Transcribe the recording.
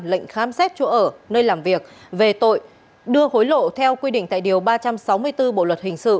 lệnh khám xét chỗ ở nơi làm việc về tội đưa hối lộ theo quy định tại điều ba trăm sáu mươi bốn bộ luật hình sự